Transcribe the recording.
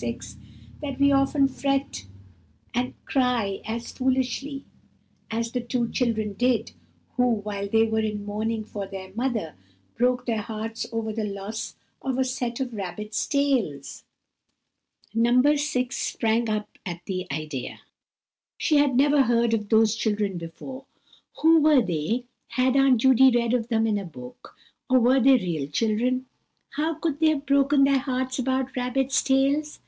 6, that we often fret and cry as foolishly as the two children did, who, while they were in mourning for their mother, broke their hearts over the loss of a set of rabbits' tails." No. 6 sprang up at the idea. She had never heard of those children before. Who were they? Had Aunt Judy read of them in a book, or were they real children? How could they have broken their hearts about rabbits' tails?